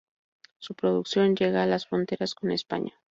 Su producción llega a las fronteras con España.